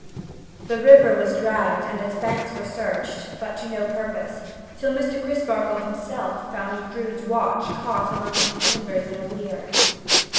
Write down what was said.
The river was dragged and its banks searched, but to no purpose, till Mr. Crisparkle himself found Drood's watch caught among some timbers in a weir.